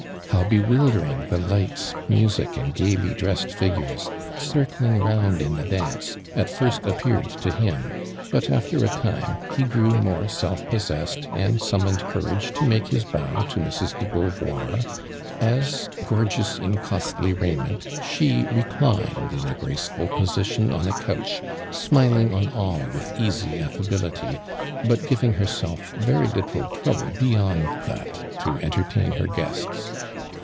How bewildering the lights, music and gaily dressed figures, circling roun<l in the dance, at first appeared to him, but, after a time, he grew more self possesse<l, and summoned courage to make his bow to Mrs. (le Beauvoir, as, gorgeous in costly raiment, she reclined in a graceful position on ii couch, smiling on all with easy iiltiibility. but giving herself very little troubl(> Ix yond that to entertain her guests.